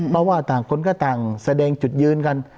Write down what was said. เพราะว่าต่างคนก็ต่างแสดงจุดยืนกัน